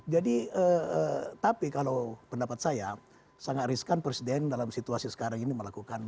jadi tapi kalau pendapat saya sangat riskan presiden dalam situasi sekarang ini melakukan